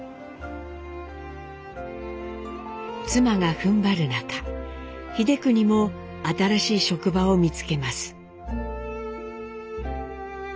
妻がふんばる中英邦も新しい職場を見つけます。